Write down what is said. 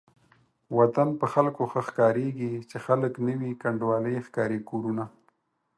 وطن په خلکو ښه ښکاريږي چې خلک نه وي کنډوالې ښکاري کورونه